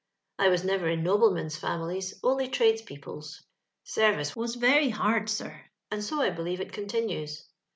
I was never in noblemen's families, only trades people's. Service was very hard, sir, and so I believe it continues.